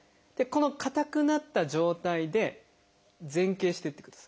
このかたくなった状態で前傾していってください。